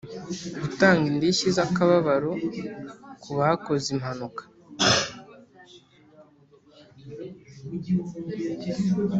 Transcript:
gutanga indishyi z akababaro kubakoze impanuka